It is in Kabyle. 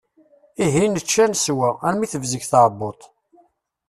Ihi nečča neswa, armi tebzeg tɛebbuḍt.